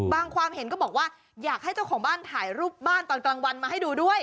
ความเห็นก็บอกว่าอยากให้เจ้าของบ้านถ่ายรูปบ้านตอนกลางวันมาให้ดูด้วย